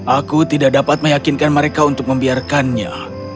aku tidak dapat meyakinkan mereka untuk membiarkannya